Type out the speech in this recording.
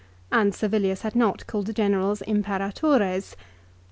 271 And Servilius had not called the generals " Imperatores."